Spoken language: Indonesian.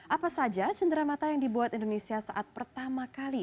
apa saja cenderamata yang dibuat indonesia saat pertama kali